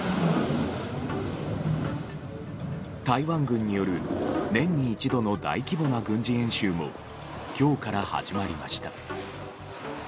台湾軍による年に一度の大規模な軍事演習も今日から始まりました。